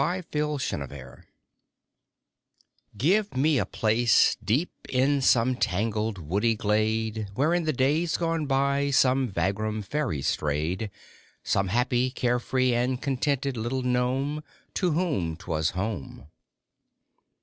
A SYLVAN HOME GIVE me a place deep in some tangled woody glade Where in the days gone by some vagrom fairy strayed, Some happy, care free, and contented little gnome To whom twas home.